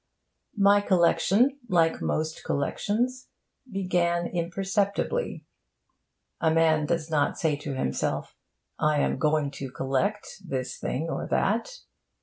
My collection like most collections, began imperceptibly. A man does not say to himself, 'I am going to collect' this thing or that.